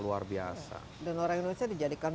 luar biasa dan orang indonesia dijadikan